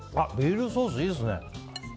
ビールソースいいですね。